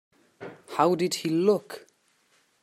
How did he look?